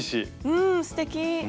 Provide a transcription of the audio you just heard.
うんすてき。